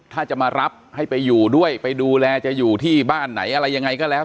ถ้าจะมารับให้ไปอยู่ด้วยไปดูแลจะอยู่ที่บ้านไหนอะไรยังไงก็แล้ว